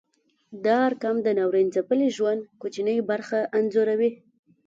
دا ارقام د ناورین ځپلي ژوند کوچنۍ برخه انځوروي.